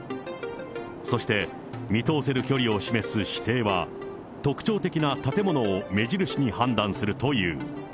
そして、見通せる距離を示す視程は、特徴的な建物を目印に判断するという。